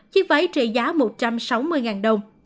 chiếc váy trị giá một trăm sáu mươi đồng